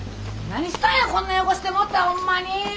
何したんやこんな汚してもうてホンマに。